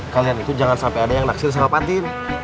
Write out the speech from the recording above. kalian itu jangan sampai ada yang naksir sama patin